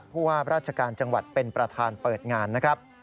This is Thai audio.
ผู้ว่าราชการจังหวัดเป็นประธานเปิดงานนะครับ